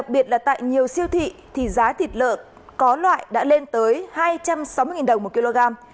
biệt là tại nhiều siêu thị thì giá thịt lợn có loại đã lên tới hai trăm sáu mươi đồng một kg